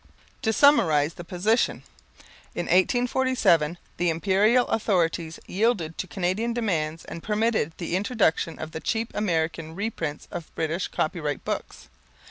To summarize the position: In 1847, the Imperial authorities yielded to Canadian demands and permitted the introduction of the cheap American reprints of British copyright books.